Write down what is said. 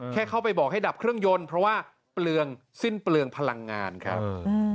แค่เข้าไปบอกให้ดับเครื่องยนต์เพราะว่าเปลืองสิ้นเปลืองพลังงานครับ